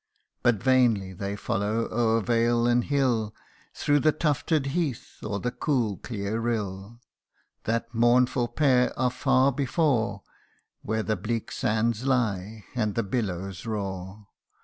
But vainly they follow o'er vale and hill, Through the tufted heath, or the cool clear rill ; That mournful pair are far before, Where the bleak sands lie, and the billows roar.